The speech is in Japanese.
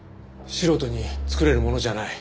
素人に作れるものじゃない。